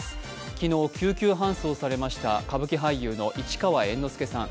昨日、救急搬送されました歌舞伎俳優の市川猿之助さん。